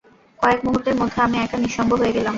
কয়েক মুহূর্তের মধ্যে আমি একা, নিঃসঙ্গ হয়ে গেলাম।